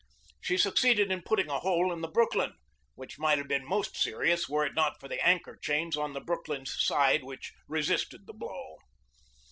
She succeeded in putting a hole in the Brooklyn, which might have been most serious were it not for the anchor chains on the Brooklyn's side which resisted the blow.